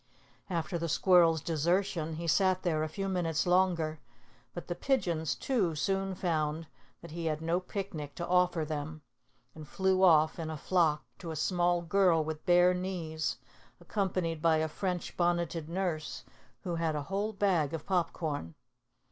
After the squirrel's desertion, he sat there a few minutes longer, but the pigeons, too, soon found that he had no picnic to offer them and flew off in a flock to a small girl with bare knees, accompanied by a French bonneted nurse, who had a whole bag of popcorn.